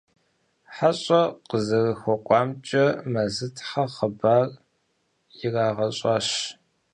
ХьэщӀэ къазэрыхуэкӀуамкӀэ Мэзытхьэ хъыбар ирагъэщӀащ.